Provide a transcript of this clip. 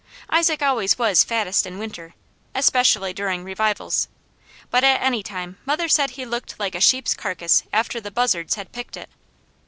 Isaac always was fattest in winter, especially during revivals, but at any time mother said he looked like a sheep's carcass after the buzzards had picked it.